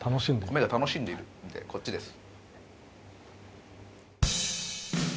米が楽しんでいるのでこっちです。